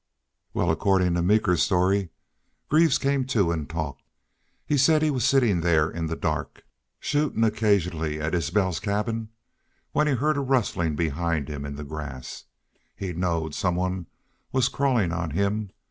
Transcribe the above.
Wal, accordin' to Meeker's story, Greaves came to an' talked. He said he was sittin' there in the dark, shootin' occasionally at Isbel's cabin, when he heerd a rustle behind him in the grass. He knowed some one was crawlin' on him.